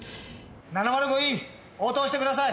７０５Ｅ応答してください！